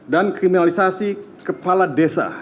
dan kriminalisasi kepala desa